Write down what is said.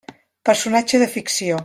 Personatge de ficció.